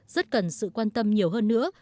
rất cần sự quan tâm nhiều hơn nữa